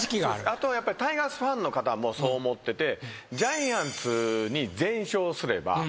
あとはやっぱりタイガースファンの方もそう思ってて。